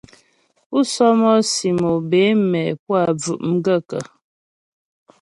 Pú sɔ́mɔ́sì mo bə é mɛ́ pú a bvʉ̀' m gaə̂kə́ ?